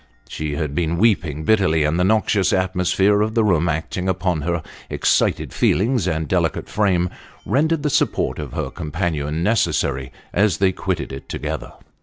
She had been weeping bitterly, and the noxious atmosphere of the room acting upon her excited feelings and delicate frame, rendered the support of her companion necessary as they quitted it together.